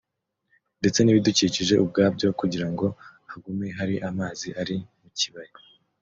ndetse n’ibidukikije ubwabyo kugira ngo hagume hari amazi ari mu kibaya